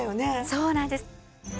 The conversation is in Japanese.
そうなんです。